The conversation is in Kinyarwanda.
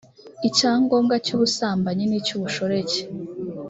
icyangombwa cy ubusambanyi n icy ubushoreke